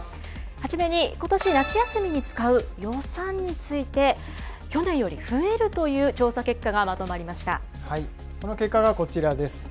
初めにことし夏休みに使う予算について、去年より増えるといその結果がこちらです。